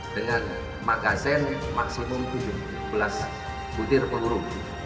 dengan magasin maksimum tujuh belas putir peluru